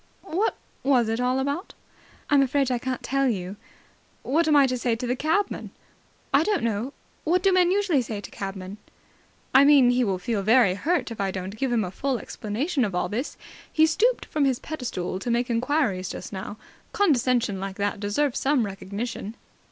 What was it all about?" "I'm afraid I can't tell you." "But what am I to say to the cabman?" "I don't know. What do men usually say to cabmen?" "I mean he will feel very hurt if I don't give him a full explanation of all this. He stooped from his pedestal to make enquiries just now. Condescension like that deserves some recognition."